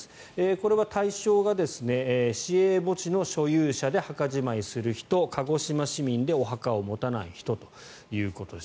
これは対象が市営墓地の所有者で墓じまいする人鹿児島市民でお墓を持たない人ということです。